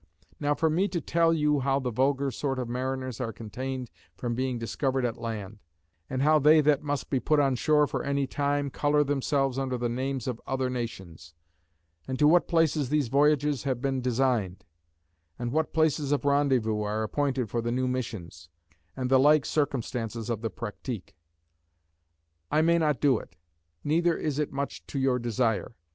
Now for me to tell you how the vulgar sort of mariners are contained from being discovered at land; and how they that must be put on shore for any time, color themselves under the names of other nations; and to what places these voyages have been designed; and what places of rendezvous are appointed for the new missions; and the like circumstances of the practique; I may not do it: neither is it much to your desire.